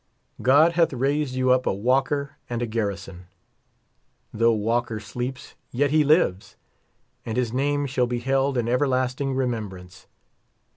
God hath raised you up a Walker and a Garrison. Though Walker sleeps, yet he lives, and his name shall be held in everlasting remembrance.